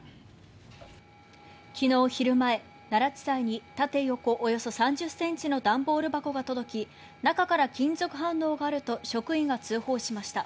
昨日昼前、奈良地裁に縦横およそ３０ｃｍの段ボール箱が届き中から金属反応があると職員が通報しました。